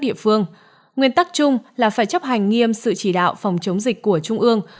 địa phương nguyên tắc chung là phải chấp hành nghiêm sự chỉ đạo phòng chống dịch của trung ương